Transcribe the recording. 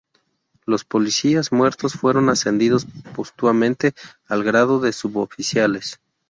Los policías muertos fueron ascendidos póstumamente al grado de suboficiales.